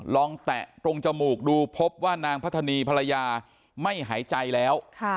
แตะตรงจมูกดูพบว่านางพัฒนีภรรยาไม่หายใจแล้ว